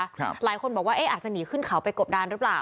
หลายคนบอกว่าเอ๊ะอาจจะหนีขึ้นเขาไปกบดานหรือเปล่า